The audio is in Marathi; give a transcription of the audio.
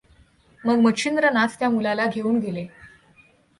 मग मच्छिंद्रनाथ त्या मुलाला घेऊन गेले.